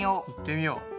いってみよう。